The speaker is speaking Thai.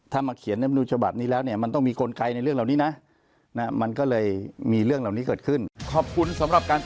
ถ้ามาเขียนรับมือฉบับนี้แล้วเนี่ยมันต้องมีกลไกในเรื่องเหล่านี้นะ